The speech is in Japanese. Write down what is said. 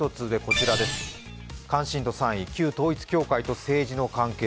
関心度３位、旧統一教会と政治の関係